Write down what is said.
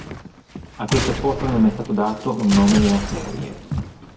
A questo posto non è mai stato dato un nome nella serie.